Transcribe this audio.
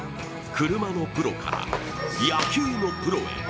車のプロから野球のプロへ。